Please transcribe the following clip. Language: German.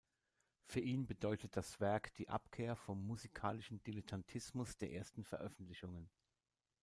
Für ihn bedeutet das Werk die Abkehr vom musikalischen Dilettantismus der ersten Veröffentlichungen.